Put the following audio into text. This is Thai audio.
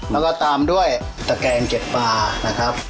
แล้วก็ตามด้วยตะแกงเก็บปลานะครับ